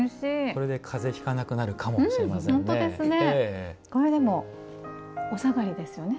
これで、かぜをひかなくなるかもしれませんね。